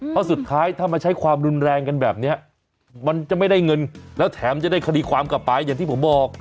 เพราะสุดท้ายถ้ามาใช้ความรุนแรงกันแบบนี้มันจะไม่ได้เงินแล้วแถมจะได้คดีความกลับไปอย่างที่ผมบอก